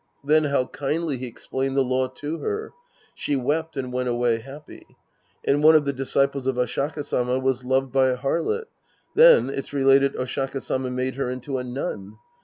Then how kindly he explained the law to her ! She wept and went away happy. And one of the disciples of Oshaka Sama was loved by a harlot. Then, it's related Oshaka Sama made her into a nun.